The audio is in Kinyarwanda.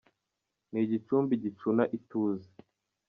Ni igicumbi gicuna ituze